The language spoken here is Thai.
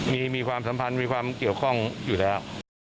มีความสัมพันธ์มีความเกี่ยวข้องอยู่แล้ว